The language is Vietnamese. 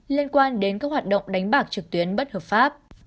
liên quan đến các hoạt động đánh bạc trực tuyến bất hợp pháp